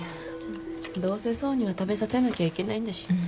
どうせ爽には食べさせなきゃいけないんだし。